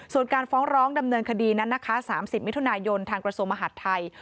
ส่วนการฟ้องร้องดำเนินคดีนั้นนะคะ๓๐มิถุนายนทางกระทรวงมหาดไทย